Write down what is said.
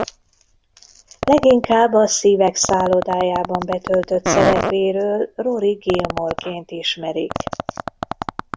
Leginkább a Szívek szállodájában betöltött szerepéről Rory Gilmore-ként ismerik.